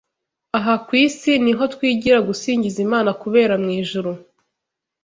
Aha ku isi ni ho twigira gusingiza Imana kubera mu ijuru.